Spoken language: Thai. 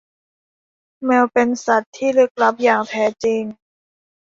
แมวเป็นสัตว์ที่ลึกลับอย่างแท้จริง